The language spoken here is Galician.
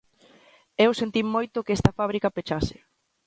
Eu sentín moito que esta fábrica pechase.